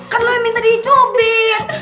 kan lo yang minta dicupit